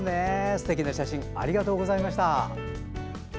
すてきな写真ありがとうございました。